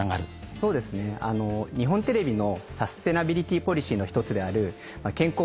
そうですね日本テレビのサステナビリティポリシーの１つである。